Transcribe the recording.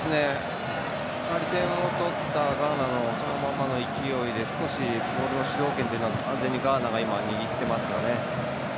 点を取ったガーナのそのままの勢いでボールの主導権というのは完全にガーナが奪っていますよね。